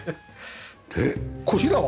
でこちらは？